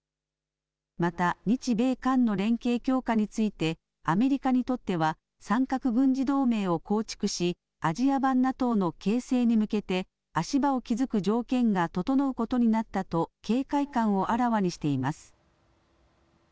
また日米韓の連携強化についてアメリカにとっては三角軍事同盟を構築しアジア版ＮＡＴＯの形成に向けて足場を築く条件が整うことになったと警戒感をあらわにしています。